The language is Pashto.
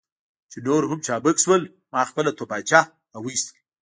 چې نور هم چابک شول، ما خپله تومانچه را وایستل.